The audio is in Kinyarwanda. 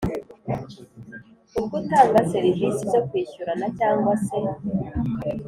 Ubw utanga serivisi zo kwishyurana cyangwa se